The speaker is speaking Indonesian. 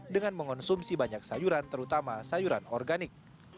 dengan mengonsumsi banyak sayuran terutama sayuran organik